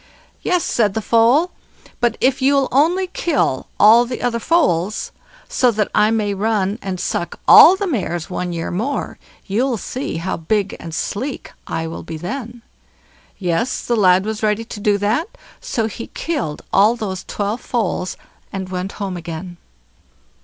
"Yes", said the foal; "but if you'll only kill all the other foals, so that I may run and suck all the mares one year more, you'll see how big and sleek I'll be then." Yes! the lad was ready to do that; so he killed all those twelve foals, and went home again.